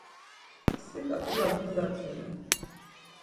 Si ǩap̌ulas mu gatsonen?